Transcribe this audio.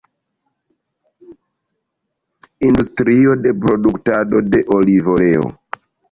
Industrio de produktado de olivoleo.